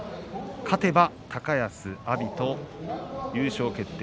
勝てば高安、阿炎と優勝決定